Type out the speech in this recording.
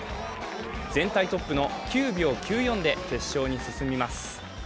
全体トップの９秒９４で決勝に進みます。